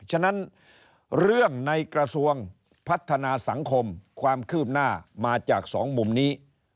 ฉะนั้นเรื่องในกระทรวงพัฒนาสังคมความคืบหน้ามาจากสองมุมนี้